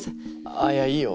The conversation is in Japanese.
あぁいやいいよ